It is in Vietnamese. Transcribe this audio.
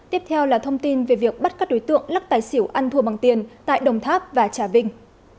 tiếp theo là thông tin về việc bắt các đối tượng lắc tài xỉu ăn thua bằng tiền tại đồng tháp và trà vinh